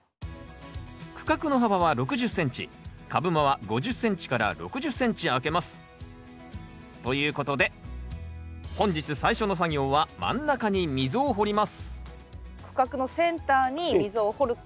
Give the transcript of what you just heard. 区画の幅は６０ｃｍ株間は５０ｃｍ６０ｃｍ空けます。ということで本日最初の作業は真ん中に溝を掘ります区画のそうですね。